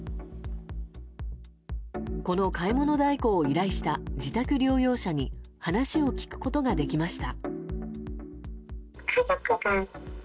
この買い物代行を依頼した自宅療養者に話を聞くことができました。